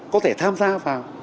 có thể tham gia vào